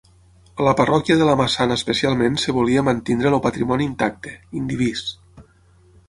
A la parròquia de La Massana especialment es volia mantenir el patrimoni intacte, indivís.